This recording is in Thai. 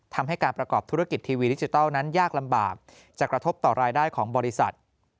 ทำให้การประกอบธุรกิจทีวีดิจิทัลนั้นยากลำบากจะกระทบต่อรายได้ของบริษัท